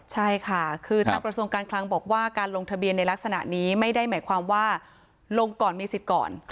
ใช่ค่ะคือทางกระทรวงการคลังบอกว่าการลงทะเบียนในลักษณะนี้ไม่ได้หมายความว่าลงก่อนมีสิทธิ์ก่อน